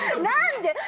何で！？